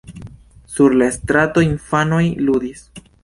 Sur la strato infanoj ludis.